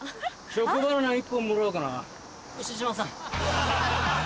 チョコバナナ１本もらおうかな。